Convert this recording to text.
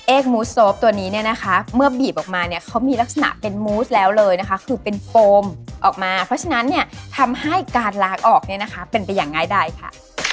มูสโฟตัวนี้เนี่ยนะคะเมื่อบีบออกมาเนี่ยเขามีลักษณะเป็นมูสแล้วเลยนะคะคือเป็นโฟมออกมาเพราะฉะนั้นเนี่ยทำให้การล้างออกเนี่ยนะคะเป็นไปอย่างง่ายได้ค่ะ